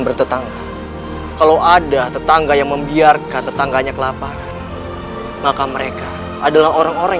bertetangga kalau ada tetangga yang membiarkan tetangganya kelaparan maka mereka adalah orang orang